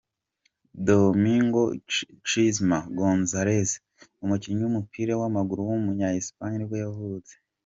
Domingo Cisma González, umukinnyi w’umupira w’amaguru w’umunya Espagne nibwo yavutse.